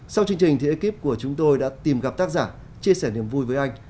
sau chương trình thì ekip của chúng tôi đã tìm gặp tác giả chia sẻ niềm vui với anh